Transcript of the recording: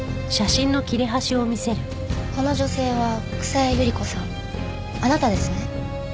この女性は草谷ゆり子さんあなたですね？